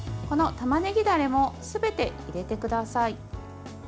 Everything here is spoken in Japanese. このたまねぎダレもすべて入れてください。